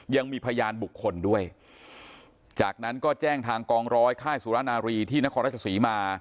ยังมีพยานบุคคลด้วยจากนั้นก็แจ้งทางกองร้อยค่ายสุรนารีที่นครราชศรีมา